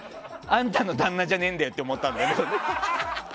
あんたの旦那じゃねえんだよって思ったんだよね。